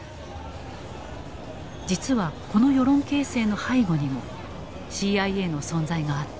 実はこの世論形成の背後にもＣＩＡの存在があった。